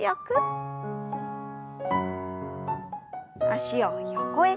脚を横へ。